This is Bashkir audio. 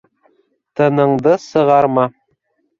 — Тыныңды сығарма.